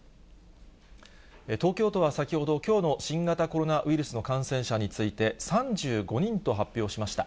東京都は先ほど、きょうの新型コロナウイルスの感染者について、３５人と発表しました。